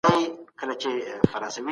ما څوځلي د لاس په زور کي يار مات کړئ دئ